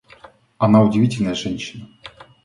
Она удивительная женщина.